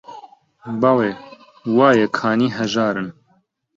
بەڵێ: وایە کانی هەژارن